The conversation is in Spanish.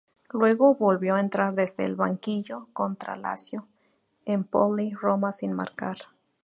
Luego volvió a entrar desde el banquillo contra la Lazio, Empoli, Roma sin marcar.